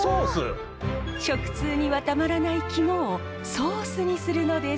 食通にはたまらない肝をソースにするのです。